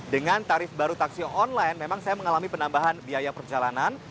dengan tarif baru taksi online memang saya mengalami penambahan biaya perjalanan